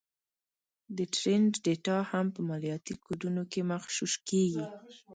د ټرینډ ډېټا هم په مالياتي کوډونو کې مغشوش کېږي